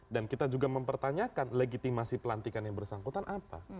dan kita juga mempertanyakan legitimasi pelantikan yang bersangkutan apa